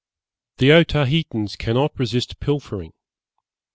The Otaheitans cannot resist pilfering.